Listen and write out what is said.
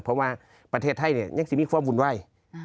เพราะว่าประเทศไทยเนี่ยยังจะมีความวุ่นวาย